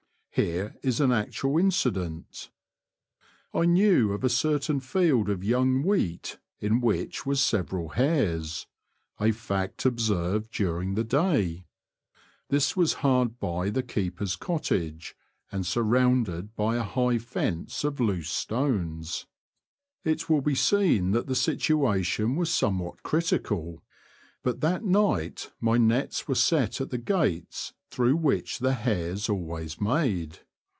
Here is an actual incident. I knew of a certain field of young wheat in which was several hares — a fact observed during the day This was hard by the keeper's cottage, and surrounded by a high fence of loose stones. It will be seen that the situa tion was somewhat critical, but that night my nets were set at the gates through which the hares always made.